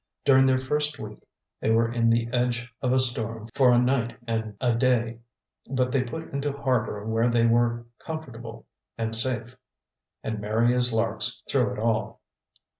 During their first week they were in the edge of a storm for a night and a day; but they put into harbor where they were comfortable and safe, and merry as larks through it all.